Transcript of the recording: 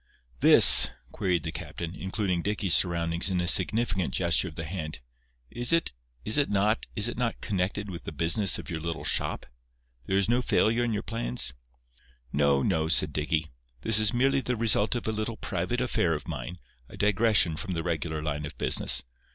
"This," queried the captain, including Dicky's surroundings in a significant gesture of his hand, "is it—it is not—it is not connected with the business of your little shop? There is no failure in your plans?" "No, no," said Dicky. "This is merely the result of a little private affair of mine, a digression from the regular line of business.